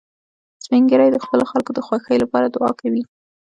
سپین ږیری د خپلو خلکو د خوښۍ لپاره دعا کوي